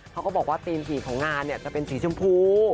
เขาก็บอกว่าตีนสีของงานเนี่ยจะเป็นสีชมพู